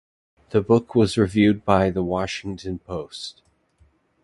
The book was reviewed by "The Washington Post".